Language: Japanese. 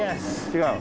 違う？